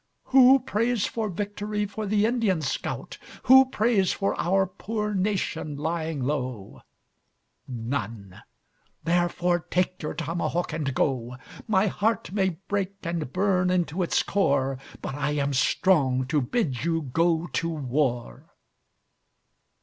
Who prays for vict'ry for the Indian scout? Who prays for our poor nation lying low? None therefore take your tomahawk and go. My heart may break and burn into its core, But I am strong to bid you go to war.